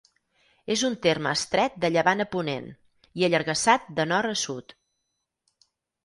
És un terme estret de llevant a ponent i allargassat de nord a sud.